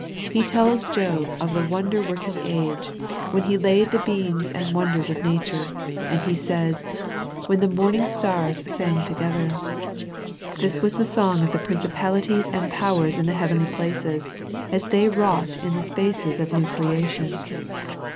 He tells Job of the wonder working age, when He laid the beams and wonders of Nature, and He says " When the morning stars sang together." This was the song of the principalities and powers in the heavenly places as they wrought in the spaces of new creation.